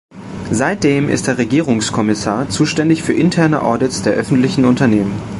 Seitdem ist er Regierungskommissar, zuständig für interne Audits der öffentlichen Unternehmen.